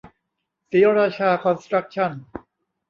ศรีราชาคอนสตรัคชั่น